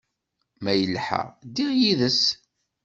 Ma yelḥa, ddiɣ yid-s.